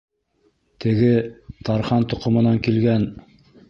Теге... тархан тоҡомонан килгән...